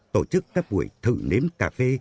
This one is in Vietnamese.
tổ chức các buổi thử nếm cà phê